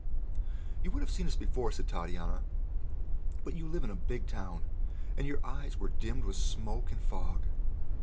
"You would have seen us before," said Titania, "but you live in a big town, and your eyes were dimmed with smoke and fog.